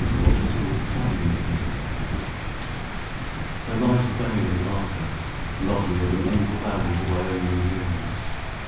THERE LIES A VALE IN IDA There lies a vale in Ida, lovelier Than all the valleys of Ionian hills.